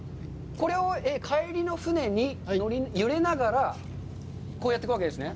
これを帰りの船に揺れながらこうやっていくわけですね？